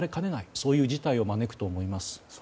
そういう事態を招くと思います。